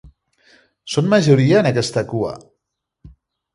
Són majoria en aquesta cua.